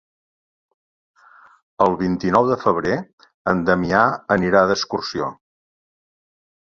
El vint-i-nou de febrer en Damià anirà d'excursió.